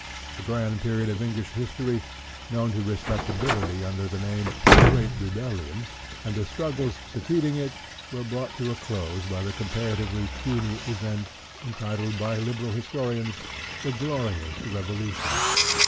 The grand period of English history, known to respectability under the name of " the Great Rebellion," and the struggles succeeding it, were brought to a close by the comparatively puny event entitled by Liberal historians, " the Glorious Revolution."